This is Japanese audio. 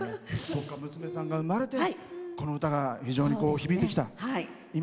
娘さんが生まれてこの歌が非常に響いてきた。